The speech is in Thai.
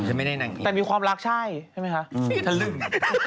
เออแต่มีความรักใช่ใช่ไหมคะทะลึ่ง